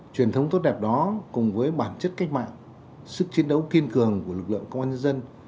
truyền thống tốt đẹp đó cùng với bản chất cách mạng sức chiến đấu kiên cường của lực lượng công an nhân dân